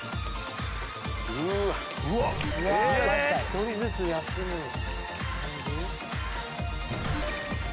１人ずつ休む感じ？